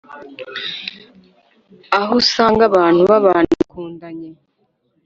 aho usanga abantu babana bakundanye